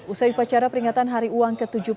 usai upacara peringatan hari uang ke tujuh puluh tujuh